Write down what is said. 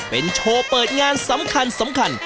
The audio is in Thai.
เป็นโชว์เปิดงานสำคัญ